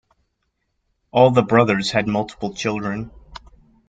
All the brothers had multiple children.